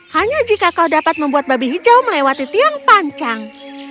hanya jika kau dapat membuat babi hijau melewati tiang panjang